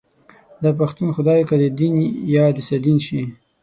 داپښتون خدای که ددين يا دسادين شي